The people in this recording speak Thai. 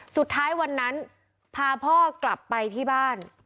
สุดท้ายวันนั้นพาพ่อกลับไปที่บ้าน